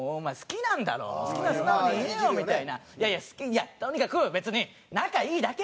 「いやとにかく別に仲いいだけで！」